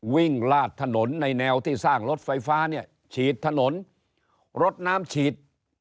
ลาดถนนในแนวที่สร้างรถไฟฟ้าเนี่ยฉีดถนนรถน้ำฉีด